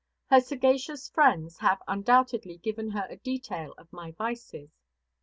Her sagacious friends have undoubtedly given her a detail of my vices.